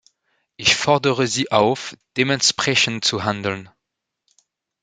Ich fordere Sie auf, dementsprechend zu handeln!